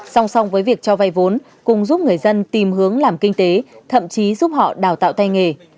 song song với việc cho vay vốn cùng giúp người dân tìm hướng làm kinh tế thậm chí giúp họ đào tạo tay nghề